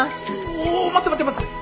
おお待って待って待って！